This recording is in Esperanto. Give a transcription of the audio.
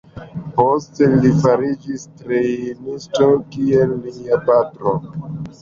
Poste li fariĝis trejnisto kiel lia patro.